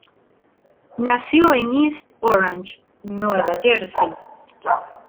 Nació en East Orange, Nueva Jersey.